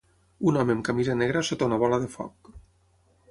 Un home amb camisa negra sota una bola de foc.